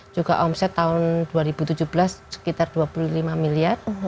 juga omset tahun dua ribu tujuh belas sekitar dua puluh lima miliar